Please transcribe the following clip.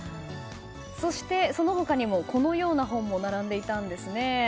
そしてその他にもこのような本も並んでいたんです。